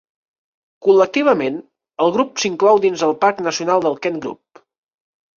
Col·lectivament, el grup s'inclou dins el parc nacional del Kent Group.